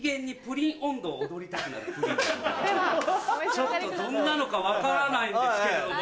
ちょっとどんなのか分からないんですけども。